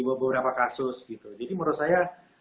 beberapa kasus gitu jadi menurut saya